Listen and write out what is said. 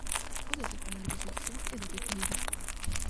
Pódese falar de xestión e do que queira.